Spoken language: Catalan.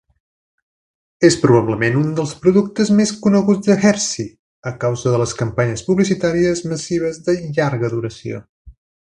És probablement un dels productes més coneguts de Hershey a causa de les campanyes publicitàries massives de llarga duració.